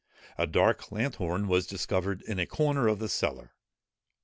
A dark lanthorn was discovered in a corner of the cellar.